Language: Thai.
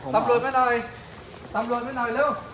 ตำรวจมาหน่อยเร็ว